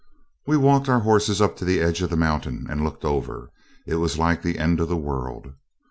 We walked our horses up to the edge of the mountain and looked over. It was like the end of the world.